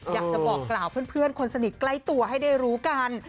อยากจะบอกกล่าวเพื่อนคนสนิทใกล้ตัวให้ได้รู้กัน